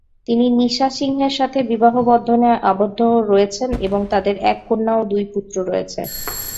তিনি নিশা সিংহের সাথে বিবাহবন্ধনে আবদ্ধ রয়েছেন এবং তাঁদের এক কন্যা ও দুই পুত্র রয়েছে।